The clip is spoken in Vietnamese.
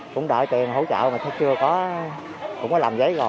cũng đợi tiền hỗ trợ mà chưa có cũng có làm giấy rồi